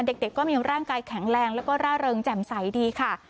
เด็กก็มีร่างกายแข็งแรงแล้วก็ร่าเริงแจ่มใสดีค่ะ